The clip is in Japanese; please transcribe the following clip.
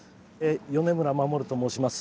米村衛と申します。